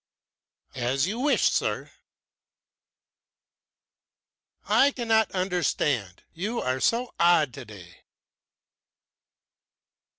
"As you wish, sir." "I cannot understand you are so odd today."